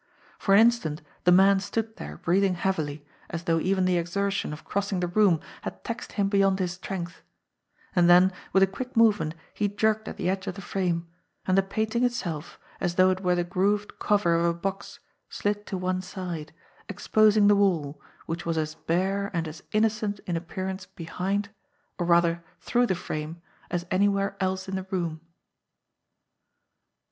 For an instant the man stood there breathing heavily, as though even the exertion of crossing the room had taxed him beyond his strength ; and then with a quick movement he jerked at the edge of the frame, and the painting itself, as though it were the grooved cover of a box, slid to one side, exposing the wall, which was as bare and as innocent in ap pearance behind, or, rather, through the frame, as dnywhere else in the room.